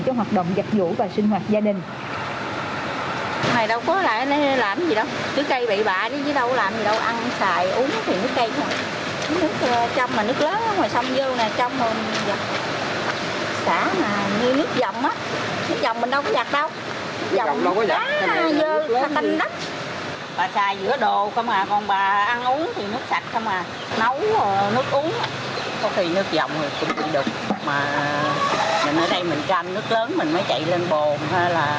cho hoạt động giặt vũ và sinh hoạt gia đình